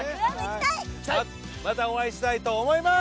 またお会いしたいと思います！